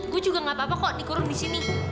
gue juga gak apa apa kok dikurung di sini